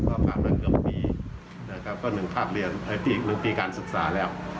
ทราบนั้นเกือบ๑ปีนะครับก็๑ภาพเรียน๑ปีการศึกษาแล้ว